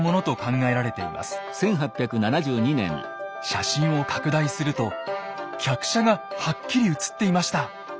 写真を拡大すると客車がはっきり写っていました！